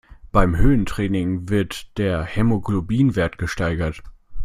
Beim Höhentraining wird der Hämoglobinwert gesteigert.